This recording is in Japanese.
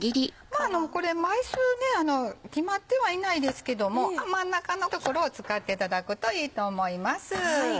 これ枚数決まってはいないですけども真ん中の所を使っていただくといいと思います。